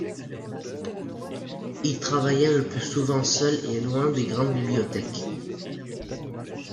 Il travailla le plus souvent seul et loin des grandes bibliothèques.